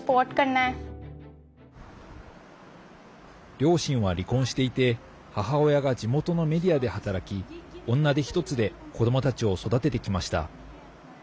両親は離婚していて母親が地元のメディアで働き女手一つで子どもたちを育ててきました。